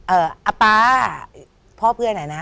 เอ่ออป๊าพ่อเพื่อนเงี้ยนะ